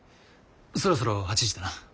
そろそろ８時だな。